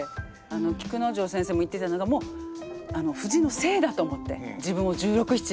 菊之丞先生も言ってたのがもう藤の精だと思って自分を１６１７の。